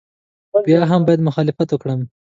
بیا هم باید مخالفت وکړم.